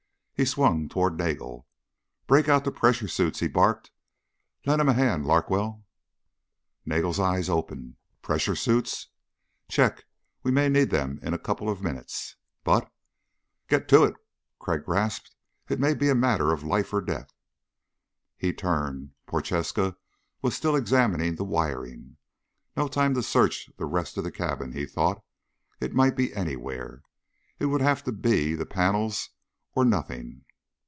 He swung toward Nagel. "Break out the pressure suits," he barked. "Lend him a hand, Larkwell." Nagel's eyes opened. "Pressure suits?" "Check. We may need them in a couple of minutes." "But " "Get to it," Crag rasped. "It may be a matter of life or death." He turned. Prochaska was still examining the wiring. No time to search the rest of the cabin, he thought. It might be anywhere. It would have to be the panels or nothing.